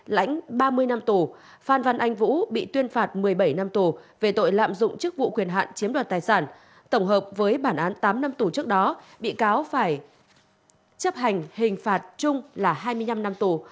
lãnh ba mươi năm tù phan văn anh vũ bị tuyên phạt một mươi bảy năm tù về tội lạm dụng chức vụ quyền hạn chiếm đoạt tài sản tổng hợp với bản án tám năm tù trước đó bị cáo phải chấp hành hình phạt chung là hai mươi năm năm tù